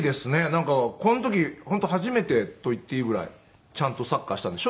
なんかこの時本当初めてと言っていいぐらいちゃんとサッカーしたんで。